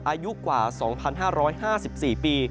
อายุกว่า๒๕๕๔ปี